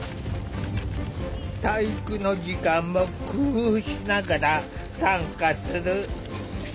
体育の時間も工夫しながら参加する。